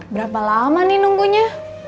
berapa lama nih nunggunya